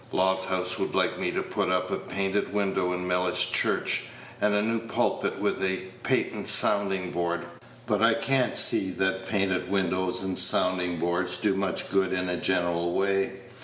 Lofthouse would like me to put up a painted window in Mellish Page 159 church, and a new pulpit with a patent sounding board; but I can't see that painted windows and sounding boards do much good in a general way.